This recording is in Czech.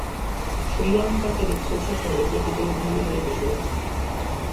Srí Lanka tedy v současné době tyto úmluvy nedodržuje.